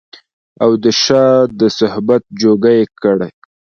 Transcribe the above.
او د شاه د صحبت جوګه يې کړي